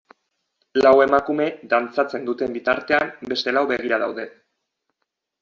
Lau emakume dantzatzen duten bitartean beste lau begira daude.